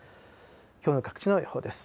きょうの各地の予報です。